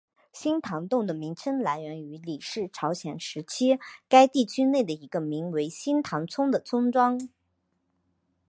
新堂洞的名称来源于李氏朝鲜时期该地区内的一个名为新堂村的村庄。